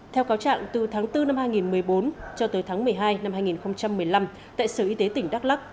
theo cáo trạng từ tháng bốn năm hai nghìn một mươi bốn cho tới tháng một mươi hai năm hai nghìn một mươi năm tại sở y tế tỉnh đắk lắc